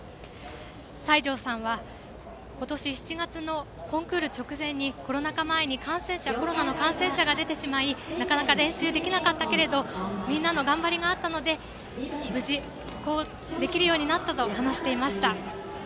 さいじょうさんは、今年７月のコンクール直前にコロナ禍前にコロナの感染者が出てしまいなかなか練習できなかったけれどみんなの頑張りがあったから無事、できるようになったと話していました。